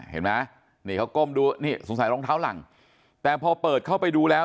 เห็นไหมนี่เขาก้มดูนี่สงสัยรองเท้าหลังแต่พอเปิดเข้าไปดูแล้ว